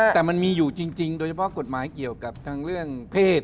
แต่มันมีอยู่จริงโดยเฉพาะกฎหมายเกี่ยวกับทั้งเรื่องเพศ